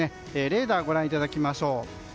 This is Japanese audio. レーダーをご覧いただきましょう。